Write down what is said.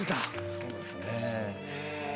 そうなんですね。